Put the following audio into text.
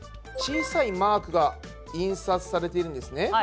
小さいマークが印刷されているんですね。